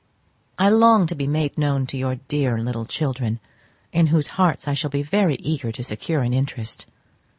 I long to be made known to your dear little children, in whose hearts I shall be very eager to secure an interest.